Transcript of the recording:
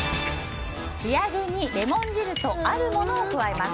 仕上げにレモン汁とあるものを加えます。